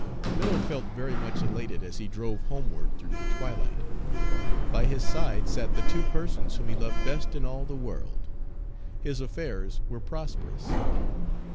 Miller felt very much elated as he drove homeward through the twilight. By his side sat the two persons whom he loved best in all the world. His affairs were prosperous.